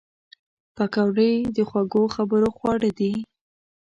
پکورې د خوږو خبرو خواړه دي